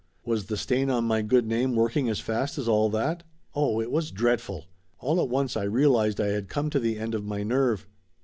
Was the stain on my good name working as fast as all that? Oh, it was dreadful! All at once I realized I had come to the end of my nerve.